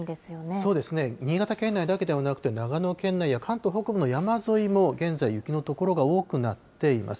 そうですね、新潟県内だけではなくて、長野県内や関東北部の山沿いも現在、雪の所が多くなっています。